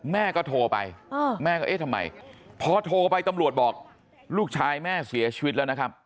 แม่ก็โทรไปแม่ก็เอ๊ะทำไมพอโทรไปตำรวจบอกลูกชายแม่เสียชีวิตแล้วนะครับ